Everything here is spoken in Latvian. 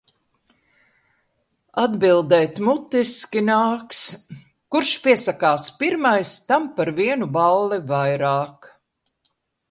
Atbildēt mutiski nāks... Kurš piesakās pirmais, tam par vienu balli vairāk.